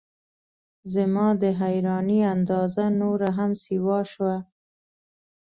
زما د حیرانۍ اندازه نوره هم سیوا شوه.